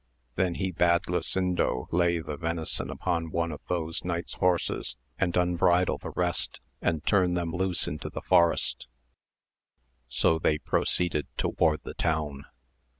Then he bade Lasindo lay the venison upon one of those knight's horses, and unbridle the rest, and turn them loose into the forest : so they proceeded toward the town.